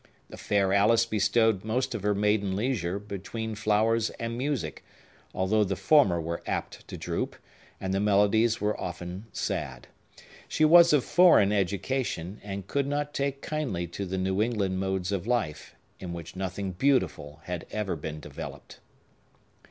The fair Alice bestowed most of her maiden leisure between flowers and music, although the former were apt to droop, and the melodies were often sad. She was of foreign education, and could not take kindly to the New England modes of life, in which nothing beautiful had ever been developed.